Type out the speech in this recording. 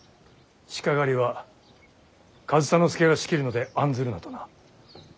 鹿狩りは上総介が仕切るので案ずるなとな。